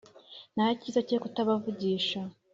Nta kiza cyo kuta vugisha